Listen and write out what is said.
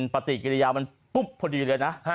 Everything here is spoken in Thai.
ปะติกิรยาพบพอดีจะเลยนะ